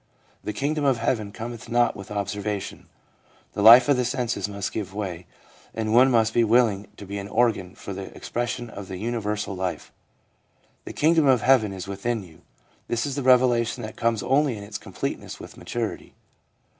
' The kingdom of heaven cometh not with observation/ The life of the senses must give way, and one must be willing to be an organ for the expression of universal life. ' The kingdom of heaven is within you/ This is the revelation that comes only in its completeness with maturity.